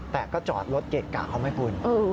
แต่ก็จอดรถเกะกะเขาไหมคุณ